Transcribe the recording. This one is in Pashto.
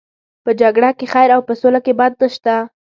په جګړه کې خیر او په سوله کې بد نشته.